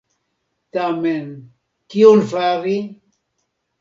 Tamen kion fari?